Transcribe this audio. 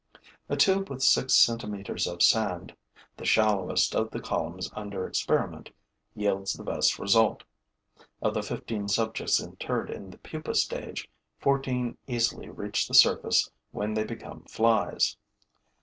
A tube with six centimeters of sand, the shallowest of the columns under experiment, yields the best result. Of the fifteen subjects interred in the pupa stage, fourteen easily reach the surface when they become flies.